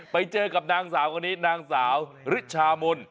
ไปเจอกับนางสาวคนนี้นางสาวริชามน